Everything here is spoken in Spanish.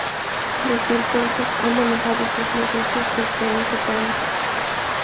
Desde entonces ha manejado sus negocios desde ese país.